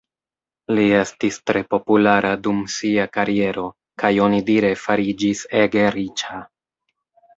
Li estis tre populara dum sia kariero, kaj onidire fariĝis ege riĉa.